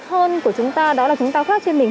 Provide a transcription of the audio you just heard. hơn của chúng ta đó là chúng ta khoác trên mình